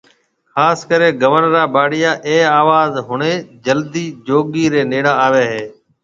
خاص ڪري گون را ٻاڙيا اي آواز ۿڻي جلدي جوگي ري نيڙا آوي ھيَََ